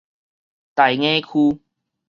大雅區